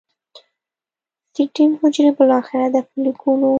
سټیم حجرې بالاخره د فولیکونو